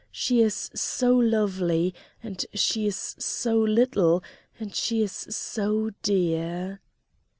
She is so lovely, and she is so little, and she is so dear!"